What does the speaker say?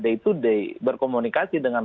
day to day berkomunikasi dengan